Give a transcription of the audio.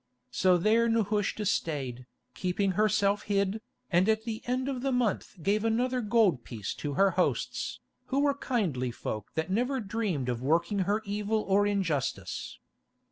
So there Nehushta stayed, keeping herself hid, and at the end of the month gave another gold piece to her hosts, who were kindly folk that never dreamed of working her evil or injustice.